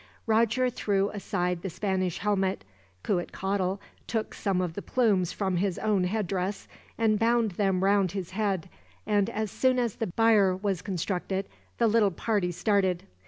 Roger threw aside the Spanish helmet. Cuitcatl took some of the plumes from his own headdress, and bound them round his head and, as soon as the bier was constructed, the little party started.